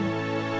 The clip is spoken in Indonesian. sampai jumpa lagi